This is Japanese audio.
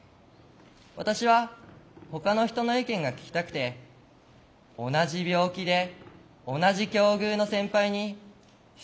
私はほかの人の意見が聞きたくて同じ病気で同じ境遇の先輩に質問をしてみた。